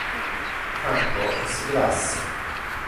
Franco es grasse.